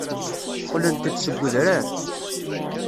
Qqlent-d seg udrar.